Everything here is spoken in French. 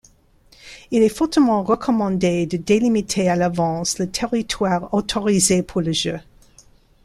Il est fortement recommandé de délimiter à l’avance le territoire autorisé pour le jeu.